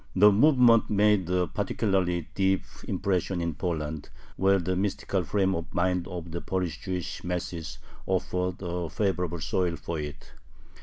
The movement made a particularly deep impression in Poland, where the mystical frame of mind of the Polish Jewish masses offered a favorable soil for it.